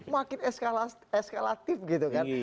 makin eskalatif gitu kan